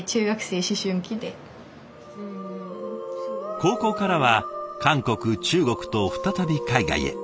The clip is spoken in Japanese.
高校からは韓国中国と再び海外へ。